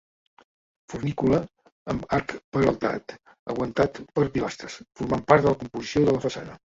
Fornícula amb arc peraltat aguantat per pilastres, formant part de la composició de la façana.